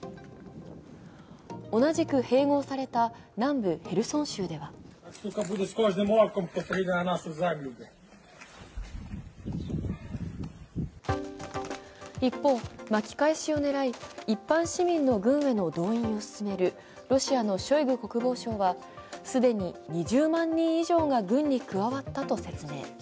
同じく併合された南部ヘルソン州では一方、巻き返しを狙い一般市民の軍への動員を進めるロシアのショイグ国防相は既に２０万人以上が軍に加わったと説明。